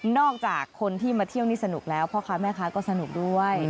จากคนที่มาเที่ยวนี่สนุกแล้วพ่อค้าแม่ค้าก็สนุกด้วย